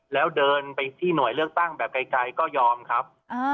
แล้วเดินไปที่หน่วยเลือกตั้งแบบไกลก็ยอมครับ